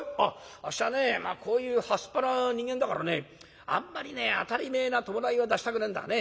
あっしはねこういうはすっぱな人間だからねあんまりね当たり前な葬式は出したくねえんだがね。